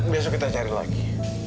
besok kita cari lagi